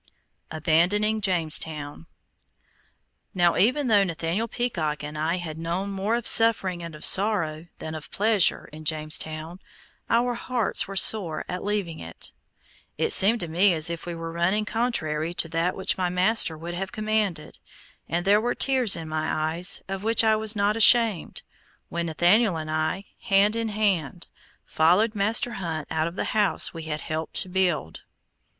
ABANDONING JAMESTOWN Now even though Nathaniel Peacock and I had known more of suffering and of sorrow, than of pleasure, in Jamestown, our hearts were sore at leaving it. It seemed to me as if we were running contrary to that which my master would have commanded, and there were tears in my eyes, of which I was not ashamed, when Nathaniel and I, hand in hand, followed Master Hunt out of the house we had helped to build.